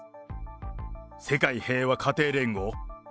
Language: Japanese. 世界平和家庭連合？